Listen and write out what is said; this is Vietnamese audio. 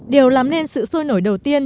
điều làm nên sự sôi nổi đầu tiên